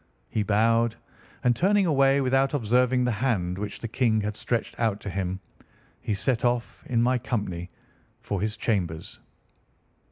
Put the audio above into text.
He bowed, and, turning away without observing the hand which the King had stretched out to him, he set off in my company for his chambers.